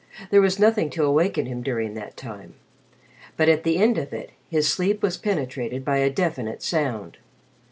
There was nothing to awaken him during that time. But at the end of it, his sleep was penetrated by a definite sound.